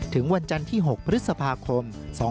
ถึงวันจันทร์ที่๖พฤษภาคม๒๕๖๒